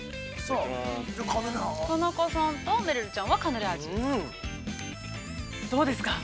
田中さんとめるるちゃんはカヌレ味。